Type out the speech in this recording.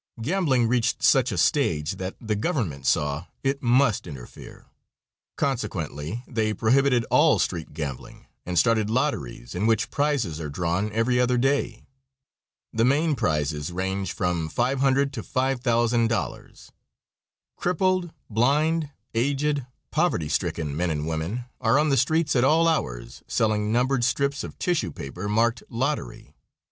Gambling reached such a stage that the government saw it must interfere. Consequently they prohibited all street gambling and started lotteries, in which prizes are drawn every other day. The main prizes range from $500 to $5,000. Crippled, blind, aged, poverty stricken men and women are on the streets at all hours selling numbered strips of tissue paper marked "Lottery."